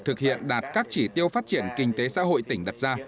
thực hiện đạt các chỉ tiêu phát triển kinh tế xã hội tỉnh đặt ra